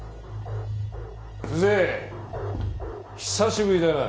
久瀬久しぶりだな。